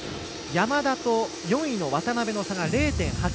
山田と４位の渡部の差が０．８６６。